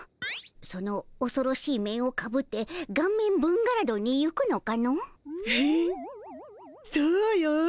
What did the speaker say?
そのおそろしい面をかぶってガンメンブンガラドンに行くのかの？へへそうよ。